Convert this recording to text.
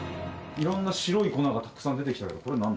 いろんな白い粉がたくさん出てきたけどこれ何？